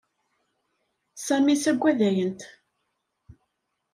Sami saggadayent.